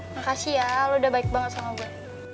makasih ya lo udah baik banget sama gue